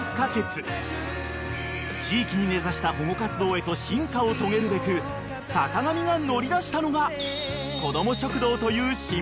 ［地域に根差した保護活動へと進化を遂げるべく坂上が乗り出したのが］